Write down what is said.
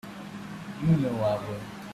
You know I would.